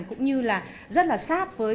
cũng như là rất là sát với